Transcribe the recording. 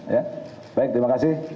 ya baik terima kasih